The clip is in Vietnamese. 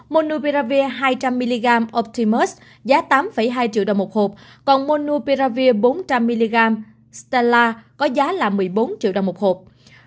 monupiravir hai trăm linh mg optimus giá tám hai triệu đồng một hộp còn monupiravir bốn trăm linh mg stella có giá là một mươi bốn triệu đồng một hộp